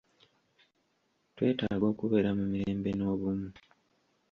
Twetaaga okubeera mu mirembe n'obumu..